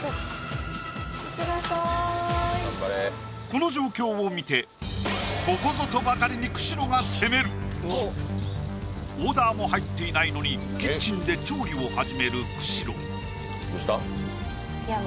この状況を見てここぞとばかりにオーダーも入っていないのにキッチンで調理を始める久代いや